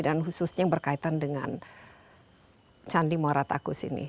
dan khususnya yang berkaitan dengan candi mora takus ini